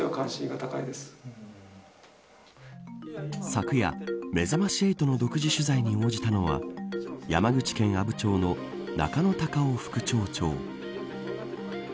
昨夜、めざまし８の独自取材に応じたのは山口県阿武町の中野貴夫副町長。